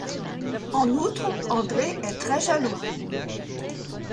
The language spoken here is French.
En outre, André est très jaloux.